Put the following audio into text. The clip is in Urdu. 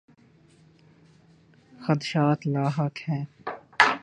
خدشات لاحق ہیں۔